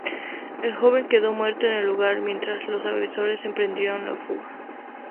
El joven quedó muerto en el lugar mientras los agresores emprendieron la fuga.